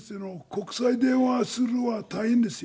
国際電話するのは大変ですよ。